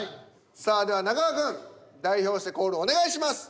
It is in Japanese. さあでは中川くん代表してコールお願いします。